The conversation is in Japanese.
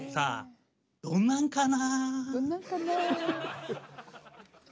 どんなんかな。